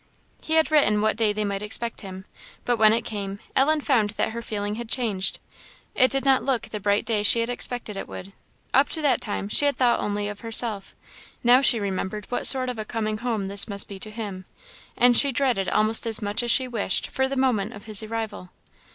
He had written what day they might expect him. But when it came, Ellen found that her feeling had changed; it did not look the bright day she had expected it would. Up to that time she had thought only of herself; now she remembered what sort of a coming home this must be to him; and she dreaded almost as much as she wished for the moment of his arrival.